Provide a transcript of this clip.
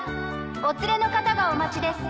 お連れの方がお待ちです。